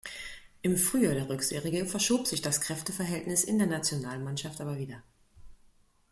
Im Frühjahr der Rückserie verschob sich das Kräfteverhältnis in der Nationalmannschaft aber wieder.